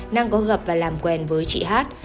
năng có gặp và làm quen với chị hát